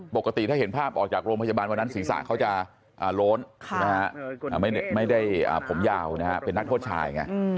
ปกติถ้าเห็นภาพออกจากโรงพยาบาลวันนั้นศีรษะเขาจะโล้นไม่ได้ผมยาวเป็นนักโทษชายไง